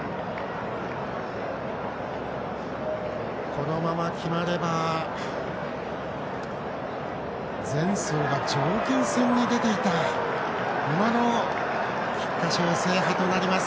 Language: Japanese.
このまま決まれば前走が上級線に出ていた馬の菊花賞制覇となります。